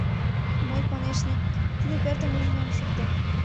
Мый, конешне, тиде пӧртым ужын ом шукто.